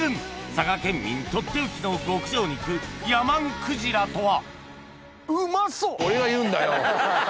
佐賀県民とっておきの極上肉やまんくじらとは？